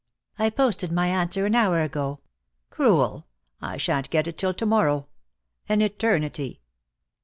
"I posted my answer an hour ago." "Cruel! I sha'n't get it till to morrow. An eternity!"